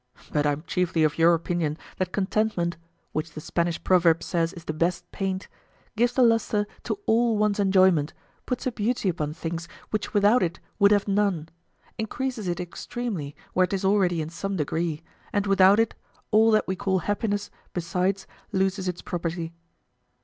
But I am chiefly of your opinion that contentment (which the Spanish proverb says is the best paint) gives the lustre to all one's enjoyment, puts a beauty upon things which without it would have none, increases it extremely where 'tis already in some degree, and without it, all that we call happiness besides loses its property.